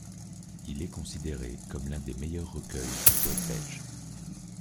Il est considéré comme l'un des meilleurs recueils du poète belge.